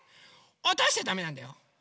おとしちゃだめなんだよ。